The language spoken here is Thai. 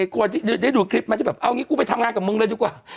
กลัวได้ดูคลิปนะชิฟโพรวบเอางี้กูไปทำงานกับมึงเลยดีกว่า